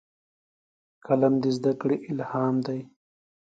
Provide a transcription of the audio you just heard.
قلم د زدهکړې الهام دی